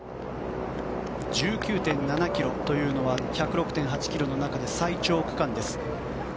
１９．７ｋｍというのは１０６．８ｋｍの中で最長区間です。